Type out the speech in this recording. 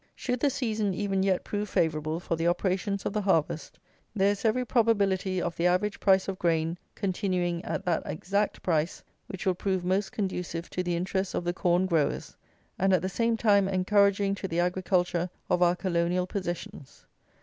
Should the season even yet prove favourable for the operations of the harvest, there is every probability of the average price of grain continuing at that exact price which will prove most conducive to the interests of the corn growers, and at the same time encouraging to the agriculture of our colonial possessions.